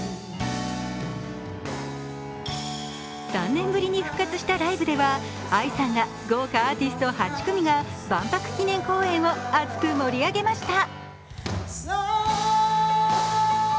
３年ぶりに復活したライブではＡＩさんら豪華アーティスト８組が万博記念公園を熱く盛り上げました。